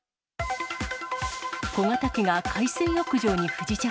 小型機が海水浴場に不時着。